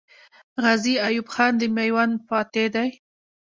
غازي ایوب خان د میوند فاتح دی.